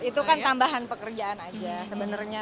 itu kan tambahan pekerjaan aja sebenarnya